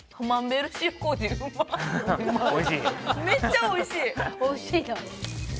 めっちゃおいしい！